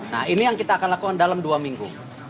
nah ini yang kita akan lakukan dalam dua minggu